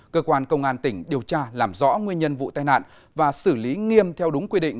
cơ quan công an tỉnh điều tra làm rõ nguyên nhân vụ tai nạn và xử lý nghiêm theo đúng quy định